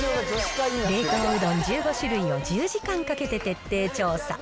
冷凍うどん１５種類を１０時間かけて徹底調査。